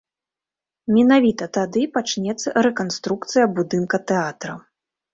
Менавіта тады пачнецца рэканструкцыя будынка тэатра.